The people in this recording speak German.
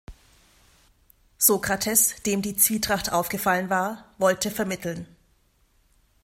Sokrates, dem die Zwietracht aufgefallen war, wollte vermitteln.